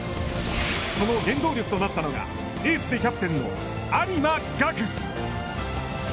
その原動力となったのがエースでキャプテンの有馬伽久。